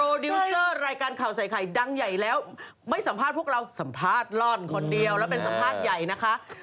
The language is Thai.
ดิวเซอร์รายการข่าวใส่ไข่ดังใหญ่แล้วไม่สัมภาษณ์พวกเราสัมภาษณ์ร่อนคนเดียวแล้วเป็นสัมภาษณ์ใหญ่นะคะ